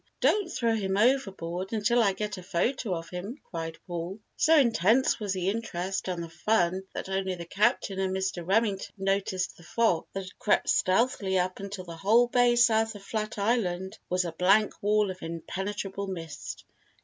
don't throw him overboard until I get a photo of him," cried Paul. So intense was the interest and the fun that only the Captain and Mr. Remington noticed the fog that had crept stealthily up until the whole bay south of Flat Island was a blank wall of impenetrable mist.